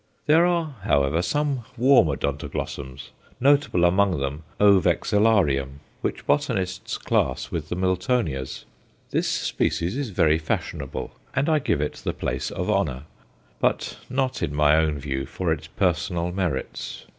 There are, however, some warm Odontoglossums, notable among them O. vexillarium, which botanists class with the Miltonias. This species is very fashionable, and I give it the place of honour; but not, in my own view, for its personal merits.